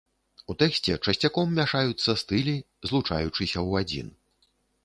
У тэксце часцяком мяшаюцца стылі, злучаючыся ў адзін.